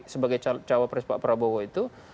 sebagai cawapres pak prabowo itu